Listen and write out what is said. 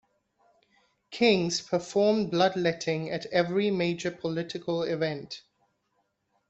Kings performed bloodletting at every major political event.